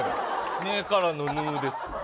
めからのぬです。